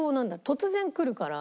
突然くるから。